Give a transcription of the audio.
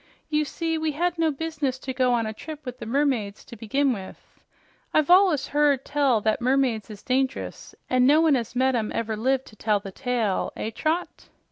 "You see, we had no business to go on a trip with the mermaids to begin with. I've allus heard tell that mermaids is dangerous, an' no one as met 'em ever lived to tell the tale. Eh, Trot?"